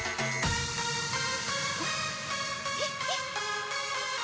えっ？えっ？